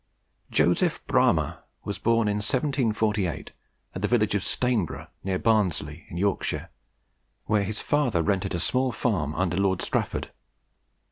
Joseph Bramah was born in 1748 at the village of Stainborough, near Barnsley in Yorkshire, where his father rented a small farm under Lord Strafford.